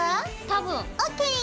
多分。ＯＫ！